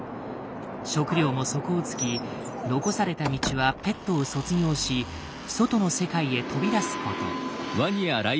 食料も底をつき残された道はペットを卒業し外の世界へ飛び出すこと。